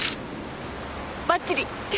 バッチリ。